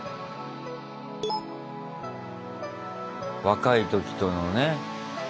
若い時とのね。